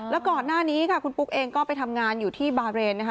แล้วก่อนหน้านี้ค่ะคุณปุ๊กเองก็ไปทำงานอยู่ที่บาเรนนะคะ